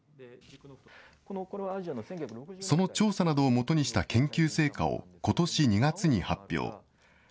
その調査などをもとにした研究成果をことし２月に発表。